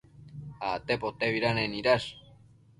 Acte potebidanec nidash